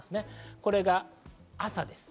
これが朝です。